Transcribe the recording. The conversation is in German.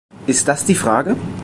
Ist das die Frage?